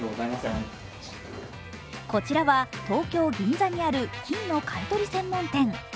こちらは東京・銀座にある金の買い取り専門店。